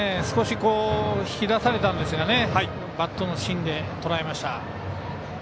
少し、引き出されたんですがバットの芯でとらえました。